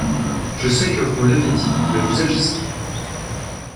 Je sais que vous me l’avez dit ; mais vous agissez…